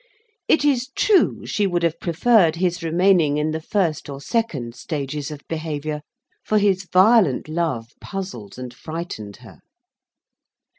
It is true she would have preferred his remaining in the first or second stages of behaviour; for his violent love puzzled and frightened her.